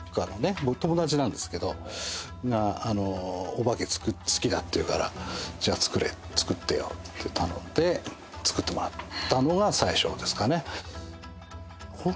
僕友達なんですけどあのお化け好きだって言うからじゃあ作ってよって頼んで作ってもらったのが最初ですかね。